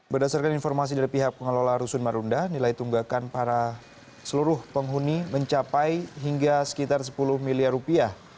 berdasarkan informasi dari pihak pengelola rusun marunda nilai tunggakan para seluruh penghuni mencapai hingga sekitar sepuluh miliar rupiah